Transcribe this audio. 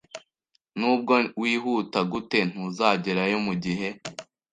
Nubwo wihuta gute, ntuzagerayo mugihe.